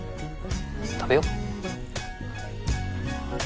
食べよう。